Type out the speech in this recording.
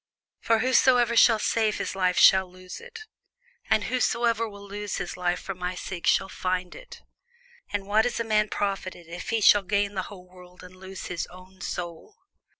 For whosoever will save his life shall lose it: and whosoever will lose his life for my sake shall find it. For what is a man profited, if he shall gain the whole world, and lose his own soul?